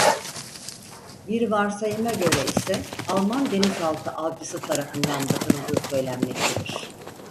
Bir varsayıma göre ise Alman denizaltı avcısı tarafından batırıldığı söylenmektedir.